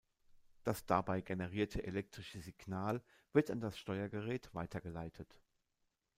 Das dabei generierte elektrische Signal wird an das Steuergerät weitergeleitet.